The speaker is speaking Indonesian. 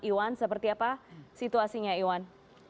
iwan seperti apa situasinya iwan